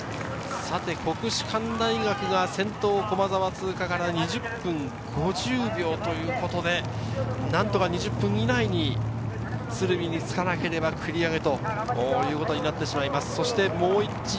国士舘大学が先頭・駒澤通過から２０分５０秒ということで何とか２０分以内に鶴見につかなければ繰り上げということになってしまいます。